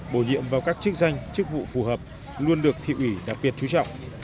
bồi nhiệm vào các chức danh chức vụ phù hợp luôn được thiệu ủy đặc biệt trú trọng